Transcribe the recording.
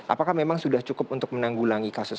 apakah memang sudah cukup untuk menanggulangi kasus